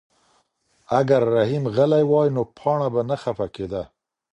اگر رحیم غلی وای نو پاڼه به نه خفه کېده.